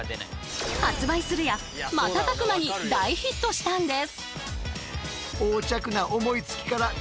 発売するや瞬く間に大ヒットしたんです。